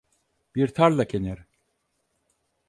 Bir tarla kenarı…